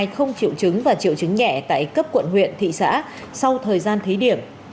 không chịu chứng và chịu chứng nhẹ tại cấp quận huyện thị xã sau thời gian thí điểm